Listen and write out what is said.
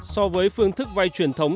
so với phương thức vay truyền thống